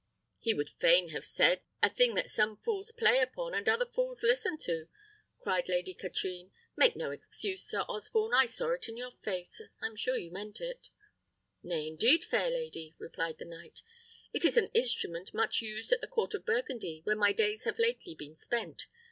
"He would fain have said, 'A thing that some fools play upon, and other fools listen to,'" cried Lady Katrine: "make no excuse, Sir Osborne; I saw it in your face. I'm sure you meant it." "Nay, indeed, fair lady," replied the knight, "it is an instrument much used at the court of Burgundy, where my days have lately been spent.